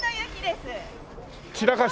散らかし？